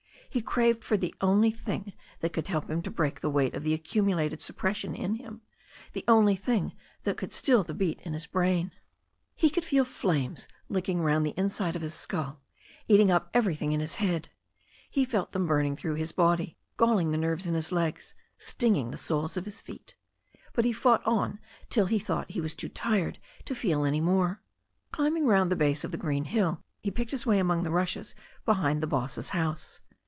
He craved for the only thing that could help him to break the weight of the accumulated suppression in him, the only thing that could still the beat in his brain. He could feel flames lick ing round the inside of his skull, eating up everything in i86 THE STORY OF A NEW ZEALAND RIVER his head. He felt them burning through his body, galling the nerves in his legs, stinging the soles of his feet. But he fought on till he thought he was too tired to fed any more. Climbing round the base of the green hill, he picked his way among the rushes behind the boss's house.